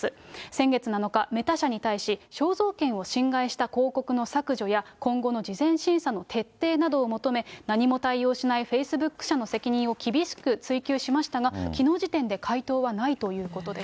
先月７日、メタ社に対し、肖像権を侵害した広告の削除や、今後の事前審査の徹底などを求め、何も対応しないフェイスブック社の責任を厳しく追及しましたが、きのう時点で回答はないということです。